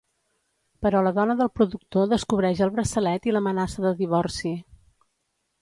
Però la dona del productor descobreix el braçalet i l'amenaça de divorci.